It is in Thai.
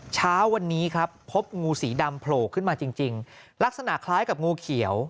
เช้าวันนี้ครับพบงูสีดำโผล่ขึ้นมาจริงลักษณะคล้ายกับงูเขียว